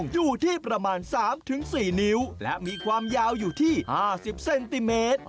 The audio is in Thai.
อยู่ที่๕๐เซนติเมตร